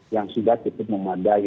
yang sudah cukup memadai